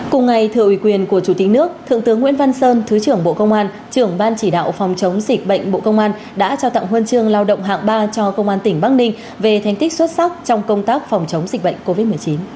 cùng ngày thừa uy quyền của chủ tịch nước thượng tướng nguyễn văn sơn thứ trưởng bộ công an trưởng ban chỉ đạo phòng chống dịch bệnh bộ công an đã trao tặng huân chương lao động hạng ba cho công an tỉnh bắc ninh về thành tích xuất sắc trong công tác phòng chống dịch bệnh covid một mươi chín